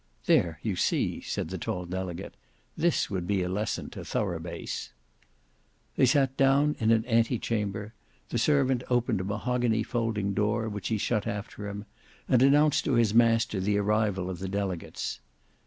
"There you see," said the tall delegate. "This would be a lesson to Thorough Base." They sat down in an antechamber: the servant opened a mahogany folding door which he shut after him and announced to his master the arrival of the delegates.